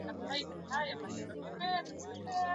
Mwokozi atanitosha.